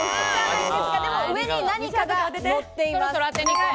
でも上に何かが、のっています。